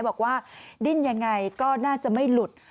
บอกว่าดิ้นยังไงก็น่าจะไม่หลุด